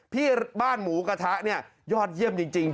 ที่บ้านหมูกระทะเนี่ยยอดเยี่ยมจริง